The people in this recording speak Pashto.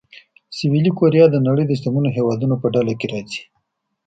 سویلي کوریا د نړۍ د شتمنو هېوادونو په ډله کې راځي.